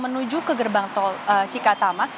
menuju ke gerbang tol cikatama